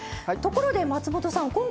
ところで松本さん